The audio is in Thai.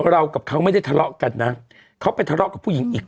เรากับเขาไม่ได้ทะเลาะกันนะเขาไปทะเลาะกับผู้หญิงอีก